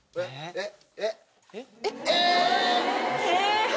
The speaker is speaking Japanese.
えっ⁉